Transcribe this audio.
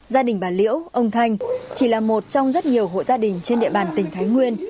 gia đình bà liễu ông thanh chỉ là một trong rất nhiều hộ gia đình trên địa bàn tỉnh thái nguyên